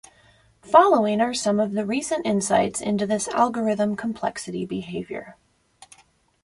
Following are some of the recent insights into this algorithm complexity behavior.